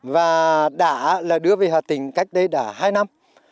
và đã đưa về hòa tình cách đây đã hai năm